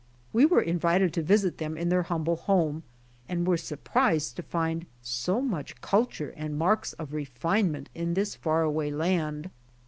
We were invited to visit them in their humble home and were surprised to find so much culture and marks of refinement in this far away land.